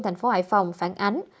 thành phố hải phòng phản ánh